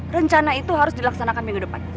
rencana itu harus dilaksanakan minggu depan